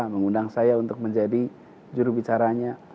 mengundang saya untuk menjadi juru bicaranya